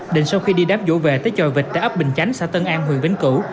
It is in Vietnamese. định sau khi đi đáp rủ về tới tròi vịt tại ấp bình chánh xã tân an huyện vĩnh cửu